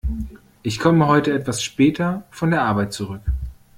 Ich komme heute etwas später von der Arbeit zurück.